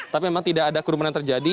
tapi memang tidak ada kerumunan terjadi